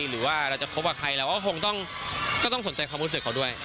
หรือว่าเราจะคบกับใครเราก็คงก็ต้องสนใจความรู้สึกเขาด้วย